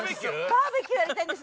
◆バーベキューやりたいんです！